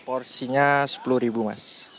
porsinya rp sepuluh mas